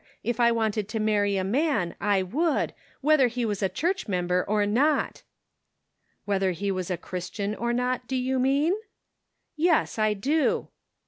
If I wanted to marry a man I wonld, whether he was a church member or not." " Whether he was a Christian or not, do you mean?" "Yes, I do."